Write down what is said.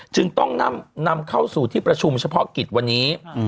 จึงต้องนำเข้าสู่ที่ประชุมเฉพาะกิจวันนี้